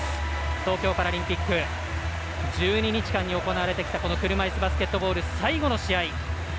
東京パラリンピック１２日間行われてきた車いすバスケットボール最後の試合。